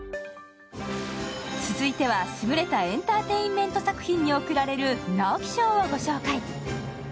続いては優れたエンターテインメント作品に贈られる直木賞を御紹介。